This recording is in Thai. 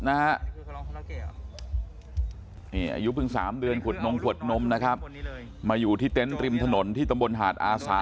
นี่อายุเพิ่ง๓เดือนขวดนมขวดนมนะครับมาอยู่ที่เต็นต์ริมถนนที่ตำบลหาดอาสา